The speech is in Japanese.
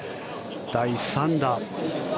第３打。